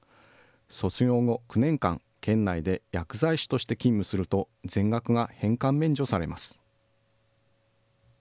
卒業後９年間、県内で薬剤師として勤務すると、全額が返還免除されます。